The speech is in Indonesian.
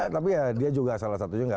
tapi ya dia juga salah satunya